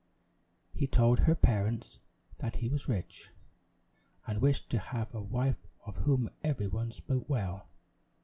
He told her parents that he was rich, and wished to have a wife of whom every one spoke well.